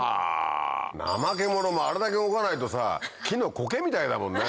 ナマケモノもあれだけ動かないと木のコケみたいだもんね。